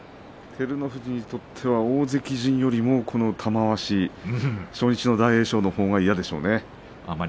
照ノ富士にとっては大関陣よりも、この玉鷲初日の大栄翔のほうが嫌でしょうね。